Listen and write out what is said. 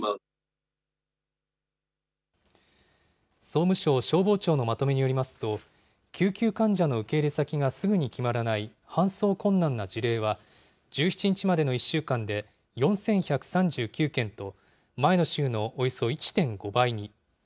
総務省消防庁のまとめによりますと、救急患者の受け入れ先がすぐに決まらない搬送困難な事例は、１７日までの１週間で４１３９件と、前の週のおよそ１．５倍に。